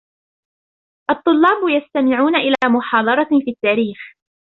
الطلاب يستمعون إلى محاضرة في التاريخ.